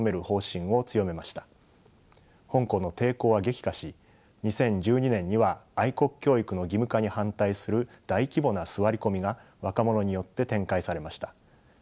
香港の抵抗は激化し２０１２年には愛国教育の義務化に反対する大規模な座り込みが若者によって展開されました。